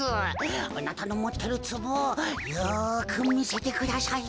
あなたのもってるつぼをよくみせてください。